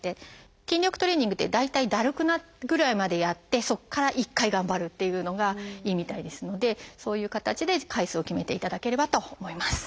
筋力トレーニングって大体だるくなるぐらいまでやってそこから１回頑張るっていうのがいいみたいですのでそういう形で回数を決めていただければと思います。